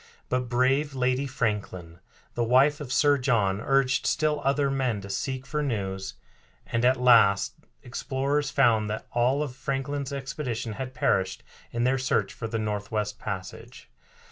But brave Lady Franklin, the wife of Sir John, urged still other men to seek for news, and at last explorers found that all of Franklin's expedition had perished in their search for the Northwest Passage.